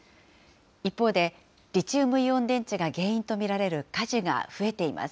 一方で、リチウムイオン電池が原因と見られる火事が増えています。